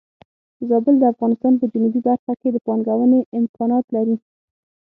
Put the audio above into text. زابل د افغانستان په جنوبی برخه کې د پانګونې امکانات لري.